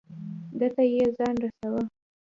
ده ته یې ځان رساو.